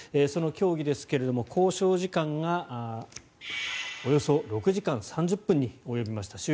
その協議ですが交渉時間がおよそ６時間３０分に及びました。